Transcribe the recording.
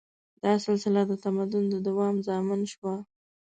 دا سلسله د تمدن د دوام ضامن شوه.